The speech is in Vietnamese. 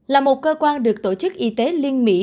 là một cơ quan được tổ chức y tế liên mỹ